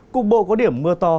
cục bộ có điểm mưa to